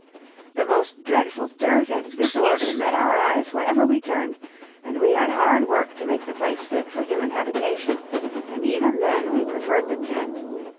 The most dreadful dirt and disorder met our eyes wherever we turned, and we had hard work to make the place fit for human habitation; and even then we preferred the tent.